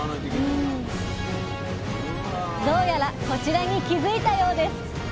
どうやらこちらに気付いたようです。